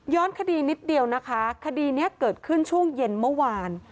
คดีนิดเดียวนะคะคดีนี้เกิดขึ้นช่วงเย็นเมื่อวาน